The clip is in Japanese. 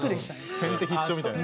先手必勝みたいな。